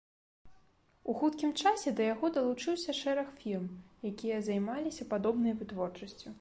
У хуткім часе да яго далучыўся шэраг фірм, якія займаліся падобнай вытворчасцю.